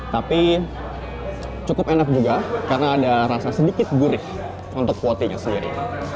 tapi cukup enak juga karena ada rasa sedikit gurih untuk kuotinya sendiri